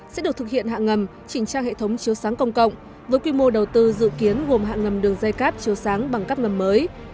sẽ được thực hiện hạ ngầm chỉnh trang hệ thống chiếu sáng công cộng với quy mô đầu tư dự kiến gồm hạ ngầm đường dây cáp chiếu sáng bằng các ngầm mới